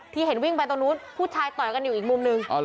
ที่เห็นวิ่งไปตรงนู้นผู้ชายต่อยกันอยู่อีกมุมนึง